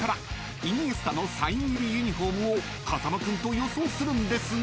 ［イニエスタのサイン入りユニホームを風間君と予想するんですが］